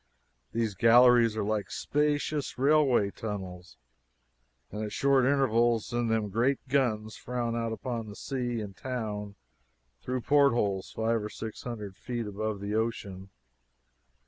These galleries are like spacious railway tunnels, and at short intervals in them great guns frown out upon sea and town through portholes five or six hundred feet above the ocean.